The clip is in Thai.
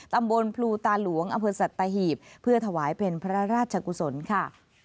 ตำบลภูตาหลวงอสัตตาหีพเพื่อถวายเป็นพระราชกุศลค่ะ